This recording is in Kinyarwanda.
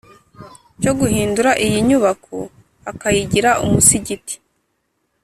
cyo guhindura iyi nyubako akayigira umusigiti.